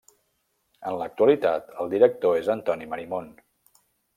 En l'actualitat el director és Antoni Marimon.